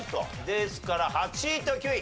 ですから８位と９位。